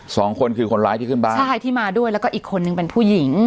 สองคนคือคนร้ายที่ขึ้นบ้านใช่ที่มาด้วยแล้วก็อีกคนนึงเป็นผู้หญิง